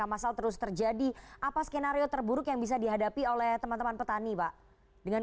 masal terus terjadi apa skenario terburuk yang bisa dihadapi oleh teman teman petani pak dengan